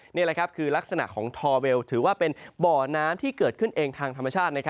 นี่แหละครับคือลักษณะของทอเวลถือว่าเป็นบ่อน้ำที่เกิดขึ้นเองทางธรรมชาติ